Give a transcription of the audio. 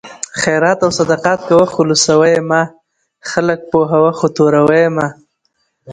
خیرات او صدقات کوه خو لوڅوه یې مه؛ خلک پوهوه خو توروه یې مه